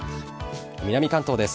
南関東です。